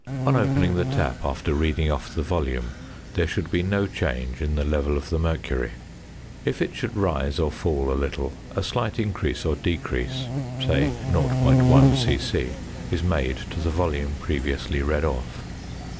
On opening the tap after reading off the volume, there should be no change in the level of the mercury. If it should rise or fall a little, a slight increase or decrease (say 0.1 c.c.) is made to the volume previously read off.